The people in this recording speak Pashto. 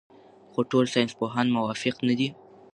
خو ټول ساینسپوهان موافق نه دي.